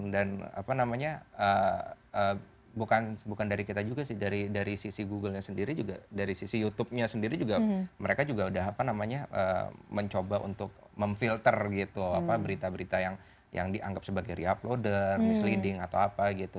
dan apa namanya bukan dari kita juga sih dari sisi googlenya sendiri juga dari sisi youtubenya sendiri juga mereka juga udah apa namanya mencoba untuk memfilter gitu berita berita yang dianggap sebagai reuploader misleading atau apa gitu